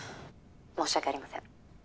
申し訳ありません。